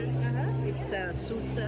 kualitasnya kecuali paruh durasi harga